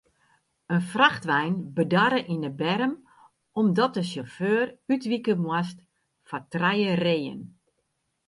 In frachtwein bedarre yn de berm omdat de sjauffeur útwike moast foar trije reeën.